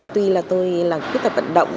tuy là tôi là khuyết tật vận động